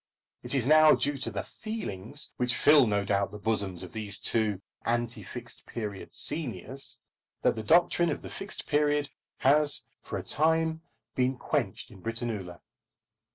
It is now due to the "feelings" which fill no doubt the bosoms of these two anti Fixed Period seniors, that the doctrine of the Fixed Period has for a time been quenched in Britannula.